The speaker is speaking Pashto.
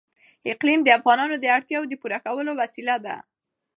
اقلیم د افغانانو د اړتیاوو د پوره کولو وسیله ده.